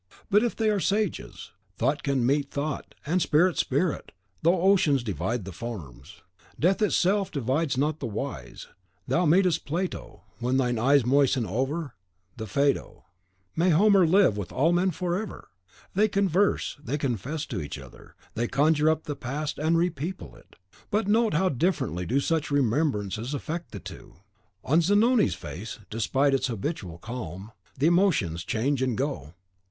But if they are sages, thought can meet thought, and spirit spirit, though oceans divide the forms. Death itself divides not the wise. Thou meetest Plato when thine eyes moisten over the Phaedo. May Homer live with all men forever! They converse; they confess to each other; they conjure up the past, and repeople it; but note how differently do such remembrances affect the two. On Zanoni's face, despite its habitual calm, the emotions change and go.